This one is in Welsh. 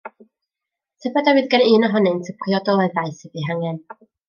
Tybed a fydd gan un ohonynt y priodoleddau sydd eu hangen?